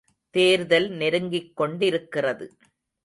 தேர்தல் நெருங்கிக் கொண்டிருக்கிறது.